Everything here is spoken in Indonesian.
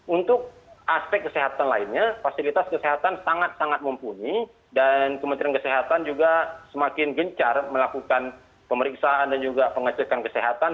untuk aspek kesehatan lainnya fasilitas kesehatan sangat sangat mumpuni dan kementerian kesehatan juga semakin gencar melakukan pemeriksaan dan juga pengecekan kesehatan